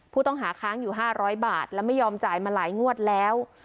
ค้างอยู่๕๐๐บาทและไม่ยอมจ่ายมาหลายงวดแล้ว